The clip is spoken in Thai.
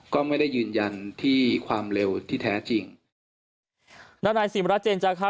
ก็ไม่ได้ยืนยันที่ความเร็วที่แท้จริงด้านนายสิมรัฐเจนจาคะ